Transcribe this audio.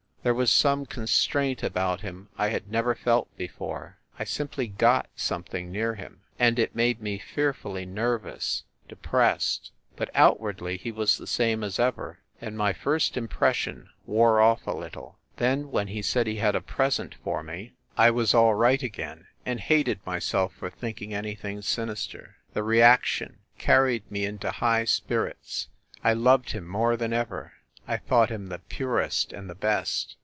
There was some con straint about him I had never felt before. I simply "got" something near him, and it made me fear fully nervous, depressed. But outwardly he was the same as ever, and my first impression wore off a little. Then, when he said he had a present for me 140 FIND THE WOMAN I was all rieftt again, and hated myself for thinking anything sinister. The reaction carried me into high spirits ; I loved him more than ever ; I thought him the purest and the best.